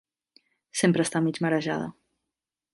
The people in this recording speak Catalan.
Sempre està mig marejada.